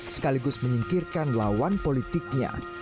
sekaligus menyingkirkan lawan politiknya